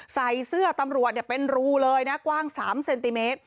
ใส่เสื้อตำรวจเป็นรูเลยนะกว้าง๓เซนติเมตร